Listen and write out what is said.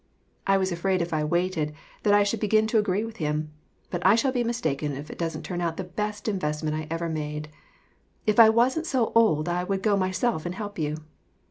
I was afraid if I waited, that I should begin to agree with him. But I shall be mistaken if it doesn't turn out the best invest ment I ever made. If I wasn't so old I would go myself and help you.